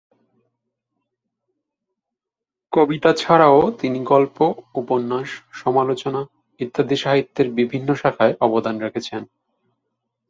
কবিতা ছাড়াও তিনি গল্প, উপন্যাস, সমালোচনা ইত্যাদি সাহিত্যের বিভিন্ন শাখায় অবদান রেখেছেন।